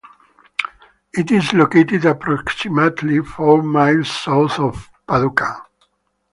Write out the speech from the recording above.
It is located approximately four miles south of Paducah.